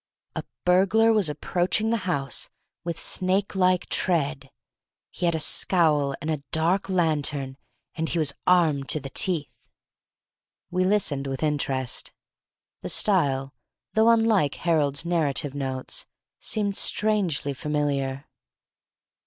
A burglar was approaching the house with snake like tread! He had a scowl and a dark lantern, and he was armed to the teeth!" We listened with interest. The style, though unlike Harold's native notes, seemed strangely familiar.